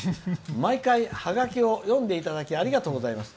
毎回ハガキを読んでいただきありがとうございます。